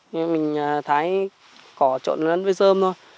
nhưng mình thái cỏ trộn lên với rơm thôi